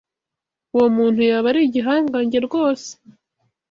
Uwo muntu yaba ari igihangange rwose!